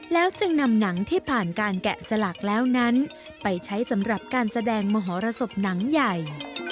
แล้วจึงนำหนังที่ผ่านการแกะสลักแล้วนั้นไปใช้สำหรับการแสดงมหรสบหนังใหญ่